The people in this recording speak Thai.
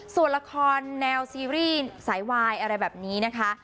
ส่วนละครแนวซีรีส์สายวายอะไรแบบนี้นะคะ